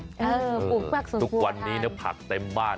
ปลูกผักส่วนสั่วทานทุกวันนี้ผักเต็มบ้าน